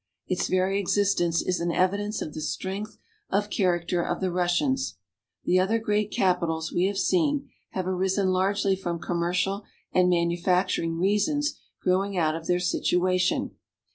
Its very existence is an evidence of the strength of character of the Russians. The other great capitals, we have seen, have arisen largely from commercial and manufacturing reasons growing out of their situation.